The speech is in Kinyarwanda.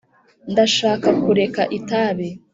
ndashaka kurek itabi